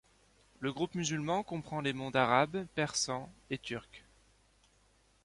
Le groupe musulman comprend les mondes arabes, persans et turcs.